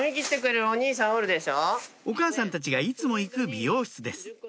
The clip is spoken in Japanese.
お母さんたちがいつも行く美容室です